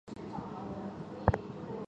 城隍庙大殿的历史年代为明代。